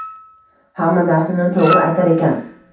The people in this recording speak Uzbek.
Hamma narsani to`g`ri aytar ekan